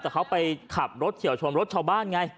แต่เขาไปขับรถเฉียวชนรถชาวบ้านไง